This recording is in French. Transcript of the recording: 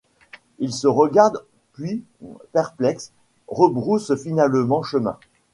Ils se regardent, puis, perplexes, rebroussent finalement chemin.